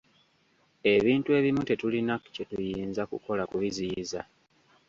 Ebintu ebimu tetulina kyetuyinza kukola kubiziyiza.